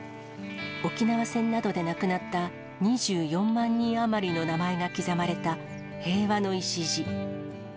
沖縄戦などで亡くなった２４万人余りの名前が刻まれた平和の礎。